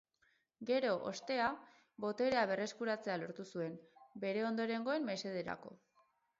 Gero, ostera, boterea berreskuratzea lortu zuen, bere ondorengoen mesederako.